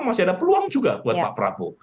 masih ada peluang juga buat pak prabowo